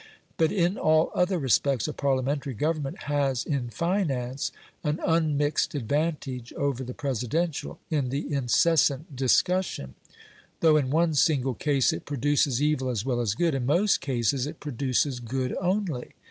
But in all other respects a Parliamentary government has in finance an unmixed advantage over the Presidential in the incessant discussion. Though in one single case it produces evil as well as good, in most cases it produces good only.